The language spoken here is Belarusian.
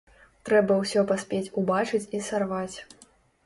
Трэба ўсё паспець убачыць і сарваць.